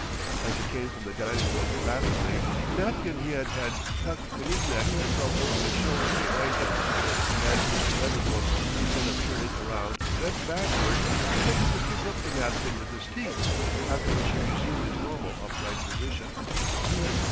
As he came from the dining room rapidly, the napkin he had had tucked in his neck fell over his shoulder behind him, and Mr. Medderbrook, instead of turning around bent backward until he could pick up the napkin with his teeth, after which he resumed his normal upright position.